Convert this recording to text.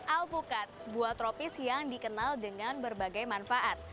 alpukat buah tropis yang dikenal dengan berbagai manfaat